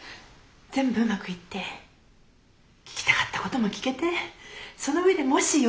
全部うまくいって聞きたかったことも聞けてその上でもし余裕があったらなんだけど。